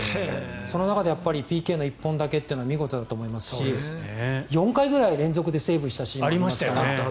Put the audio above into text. その中でやっぱりＰＫの１本だけというのは見事だと思いますし４回ぐらい連続でセーブしたシーンもありましたよね。